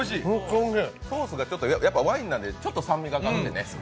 ソースがワインなんでちょっと酸味がかってね